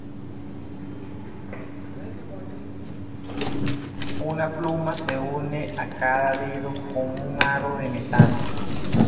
Una pluma se une a cada dedo con un aro de metal.